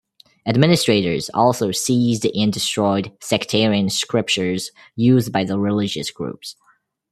Administrators also seized and destroyed sectarian scriptures used by the religious groups.